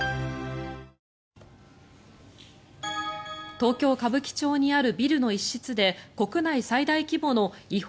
東京・歌舞伎町にあるビルの一室で国内最大規模の違法